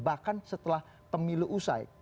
bahkan setelah pemilu usai